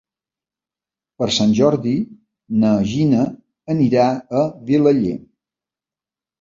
Per Sant Jordi na Gina anirà a Vilaller.